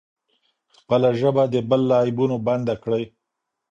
خپله ژبه د بل له عیبونو بنده کړئ.